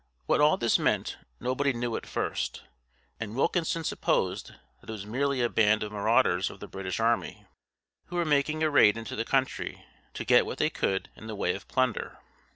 What all this meant, nobody knew at first; and Wilkinson supposed that it was merely a band of marauders of the British army, who were making a raid into the country to get what they could in the way of plunder.